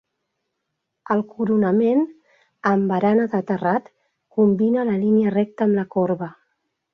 El coronament, amb barana de terrat, combina la línia recta amb la corba.